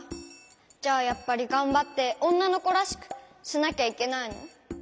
じゃあやっぱりがんばって「おんなのこらしく」しなきゃいけないの？